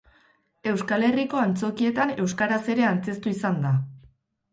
Euskal Herriko antzokietan euskaraz ere antzeztu izan da.